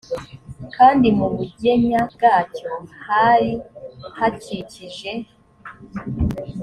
kandi mu bugenya bwacyo hari hakikije